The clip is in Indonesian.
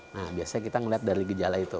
nah biasanya kita melihat dari gejala itu